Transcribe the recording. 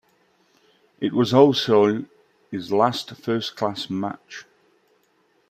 It was also his last first-class match.